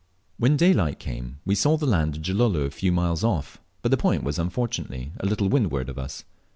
When daylight came, we saw the land of Gilolo a few miles off, but the point was unfortunately a little to windward of us.